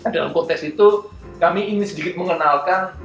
dalam konteks itu kami ingin sedikit mengenalkan